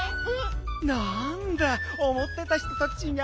なんだおもってた人とちがうね。